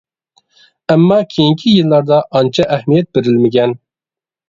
ئەمما، كېيىنكى يىللاردا ئانچە ئەھمىيەت بېرىلمىگەن.